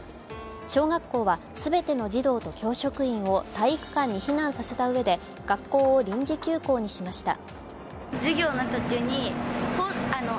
小学校はすべての児童と教職員を体育館に避難させたうえで学校を臨時休校にしました。